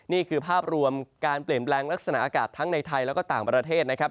นี่คือภาพรวมการเปลี่ยนแปลงลักษณะอากาศทั้งในไทยแล้วก็ต่างประเทศนะครับ